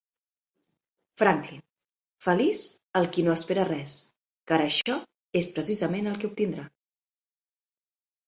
Franklin: feliç el qui no espera res, car això és precisament el que obtindrà.